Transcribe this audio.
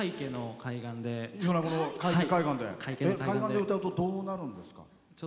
海岸で歌うとどうなるんですか？